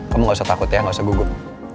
kamu gak usah takut ya nggak usah gugup